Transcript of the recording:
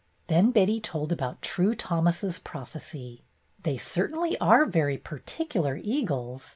Then Betty told about True Thomas's prophecy. "They certainly are very particular eagles.